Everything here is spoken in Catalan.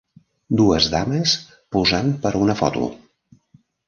Dues dames posant per a una foto.